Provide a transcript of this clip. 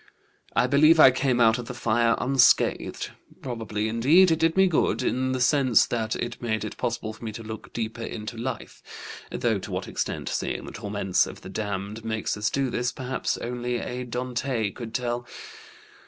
I believe I came out of the fire unscathed; probably, indeed, it did me good, in the sense that it made it possible for me to look deeper into life; though to what extent seeing the torments of the damned makes us do this, perhaps only a Dante could tell.